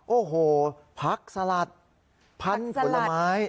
โอ้โหผักสลัดพันธุ์ผลไม้